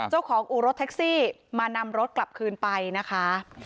เจ้าของอุรถแท็กซี่มานำรถกลับคืนไปนะคะ